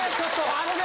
あのね。